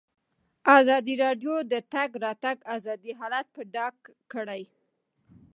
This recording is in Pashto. ازادي راډیو د د تګ راتګ ازادي حالت په ډاګه کړی.